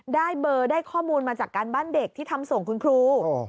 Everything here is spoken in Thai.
ได้เบอร์ได้ข้อมูลมาจากการบ้านเด็กที่ทำส่งคุณครู